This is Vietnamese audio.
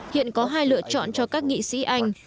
hiện có hai lựa chọn cho các nghị sĩ anh